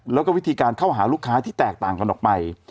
แล้วก็วิธีการเข้าหาลูกค้าที่แตกต่างกันออกไป